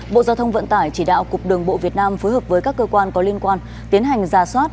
bộ giao thông vận tải chỉ đạo cục đường bộ việt nam phối hợp với các cơ quan có liên quan tiến hành ra soát